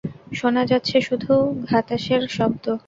শোনা যাচ্ছে শুধু ঘাতাসের শব্দ।